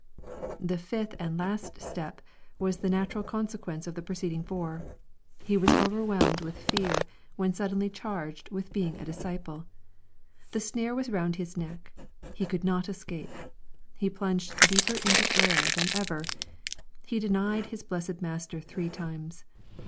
— The fifth and last step was the natural consequence of the preceding four. He was overwhelmed With fear when sud denly charged with being a disciple. The snare was round his neck. He could not escape. He plunged deeper into error than ever. He denied his blessed Master three times.